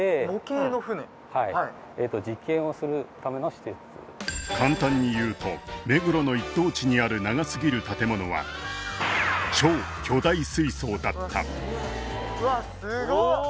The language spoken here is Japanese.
はい簡単にいうと目黒の一等地にある長すぎる建物は超巨大水槽だったうわっすごっ！